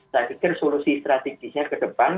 saya pikir solusi strategisnya ke depan